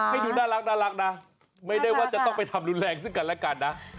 ให้ดูน่ารักนะไม่ได้ว่าจะต้องไปทำรุนแรงซึ่งกันและกันนะ